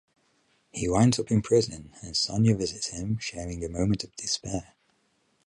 He winds up in prison, and Sonia visits him, sharing a moment of despair.